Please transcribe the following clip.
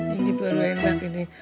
ini baru enak ini